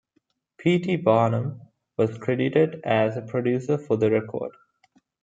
P. T. Barnum was credited as a producer for the record.